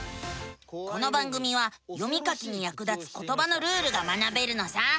この番組は読み書きにやく立つことばのルールが学べるのさ。